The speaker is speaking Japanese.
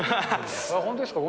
本当ですか？